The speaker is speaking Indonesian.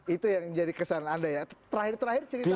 itu yang jadi kesan anda ya terakhir terakhir cerita anda gimana